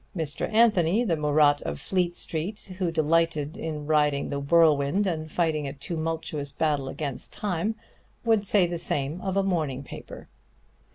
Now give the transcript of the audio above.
Mr. Anthony, the Murat of Fleet Street, who delighted in riding the whirlwind and fighting a tumultuous battle against time, would say the same of a morning paper.